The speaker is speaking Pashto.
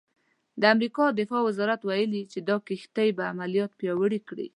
د امریکا دفاع وزارت ویلي چې دا کښتۍ به عملیات پیاوړي کړي.